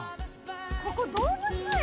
ここ動物園？